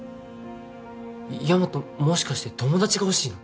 ヤマトもしかして友達がほしいの？